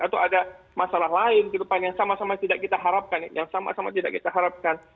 atau ada masalah lain ke depan yang sama sama tidak kita harapkan yang sama sama tidak kita harapkan